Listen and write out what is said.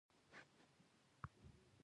د موسمي بدلونونو په اړه ادبي شننې پکې خپریږي.